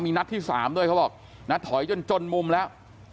นัดที่๓ด้วยเขาบอกนะถอยจนจนมุมแล้ว